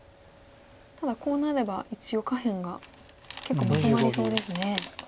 ただこうなれば一応下辺が結構まとまりそうですね。